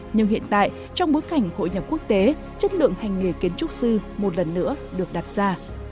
nhưng hiện tại trong bối cảnh hội nhập quốc tế chất lượng hành nghề kiến trúc sư một lần nữa được đặt ra